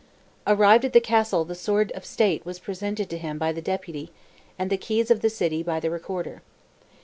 Arrived at the castle the sword of state was presented to him by the deputy, and the keys of the city by the recorder.